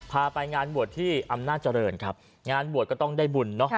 พาไปงานบวชที่อำนาจเจริญครับงานบวชก็ต้องได้บุญเนอะ